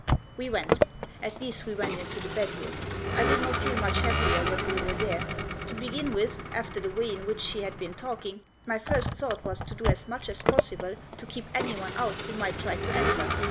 We went ; at least we went into the bedroom. I did not feel much happier when we were there. To begin with, after the way in which she had been talking, my first thought was to do as much as possible to keep anyone out who might try to enter.